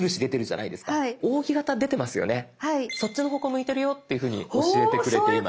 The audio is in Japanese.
向いてるよっていうふうに教えてくれています。